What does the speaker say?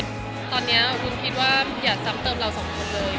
ตอนนี้วุ้นคิดว่าอย่าซ้ำเติมเราสองคนเลย